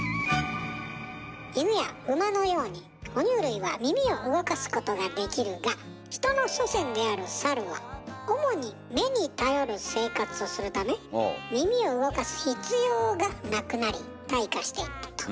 イヌやウマのようにほ乳類は耳を動かすことができるがヒトの祖先であるサルは主に目に頼る生活をするため耳を動かす必要がなくなり退化していったと。